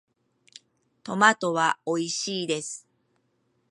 トマトはおいしいです。